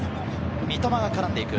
三笘が絡んでいく。